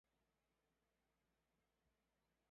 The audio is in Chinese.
每次访问网页时都可能会发生客户端网页软件更新。